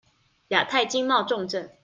亞太經貿重鎮